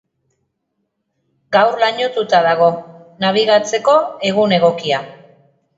Gaur lainotuta dago, nabigatzeko egun egokia.